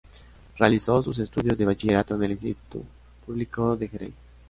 Realizó sus estudios de bachillerato en el Instituto público de Jerez.